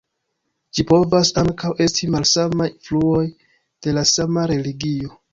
Ĝi povas ankaŭ esti malsamaj fluoj de la sama religio.